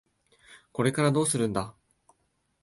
これからどうするんだ？